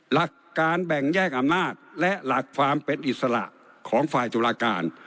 หลักการแบ่งแยกอำนาจและหลักความเป็นอิสระของฝ่ายตุลาการ